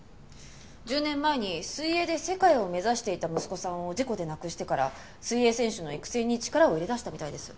１０年前に水泳で世界を目指していた息子さんを事故で亡くしてから水泳選手の育成に力を入れ出したみたいです。